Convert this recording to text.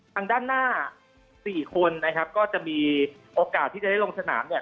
ทางด้านหน้าสี่คนนะครับก็จะมีโอกาสที่จะได้ลงสนามเนี่ย